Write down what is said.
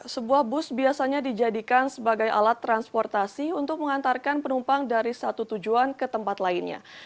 sebuah bus biasanya dijadikan sebagai alat transportasi untuk mengantarkan penumpang dari satu tujuan ke tempat lainnya